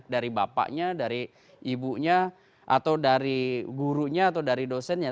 dari bapaknya dari ibunya atau dari gurunya atau dari dosennya